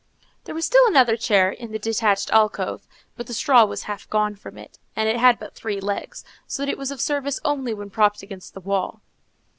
There was still another chair in the detached alcove, but the straw was half gone from it, and it had but three legs, so that it was of service only when propped against the wall.